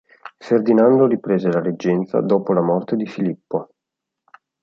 Ferdinando riprese la reggenza dopo la morte di Filippo.